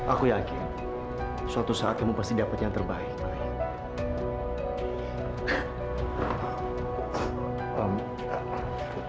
aku yakin suatu saat kamu pasti dapat yang terbaik baik